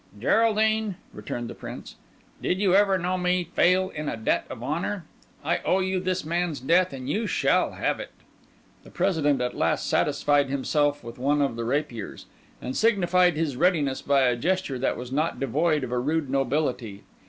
"Geraldine," returned the Prince, "did you ever know me fail in a debt of honour? I owe you this man's death, and you shall have it." The President at last satisfied himself with one of the rapiers, and signified his readiness by a gesture that was not devoid of a rude nobility.